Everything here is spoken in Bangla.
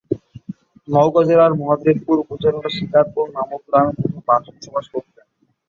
নওগাঁ জেলার মহাদেবপুর উপজেলার শিকারপুর নামক গ্রামে তিনি বসবাস করতেন।